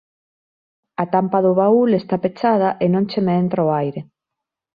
A tampa do baúl está pechada e non che me entra o aire.